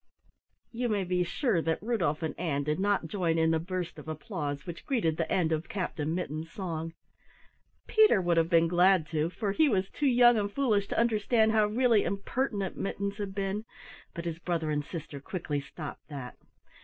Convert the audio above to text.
You may be sure that Rudolf and Ann did not join in the burst of applause which greeted the end of Captain Mittens' song. Peter would have been glad to, for he was too young and foolish to understand how really impertinent Mittens had been, but his brother and sister quickly stopped that.